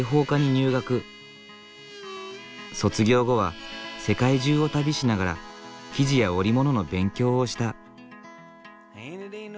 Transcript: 卒業後は世界中を旅しながら生地や織物の勉強をした。